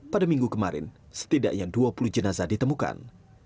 pada minggu kemarin setidaknya dua puluh jenazah ditemukan